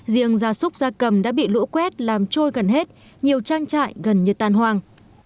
riêng gia súc gia cầm đã bị lũ quét làm trôi gần hết nhiều trang trại gần như tan hoang